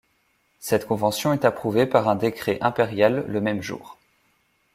Cette convention est approuvé par un décret impérial le même jour.